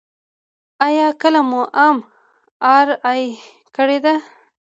ایا کله مو ام آر آی کړې ده؟